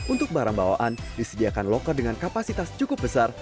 untuk barang bawaan disediakan loker dengan kapasitas cukup besar